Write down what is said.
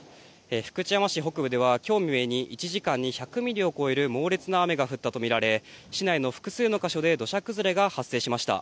福知山市北部では今日未明に１時間に１００ミリを超える猛烈な雨が降ったとみられ市内の複数の箇所で土砂崩れが発生しました。